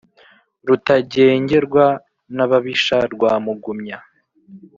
Rutagengerwa n’ababisha rwa Mugumya